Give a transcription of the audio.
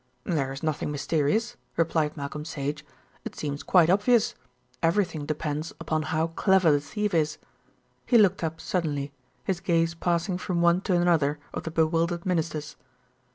"There is nothing mysterious," replied Malcolm Sage. "It seems quite obvious. Everything depends upon how clever the thief is." He looked up suddenly, his gaze passing from one to another of the bewildered Ministers.